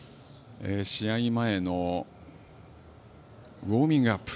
試合前のウォーミングアップ。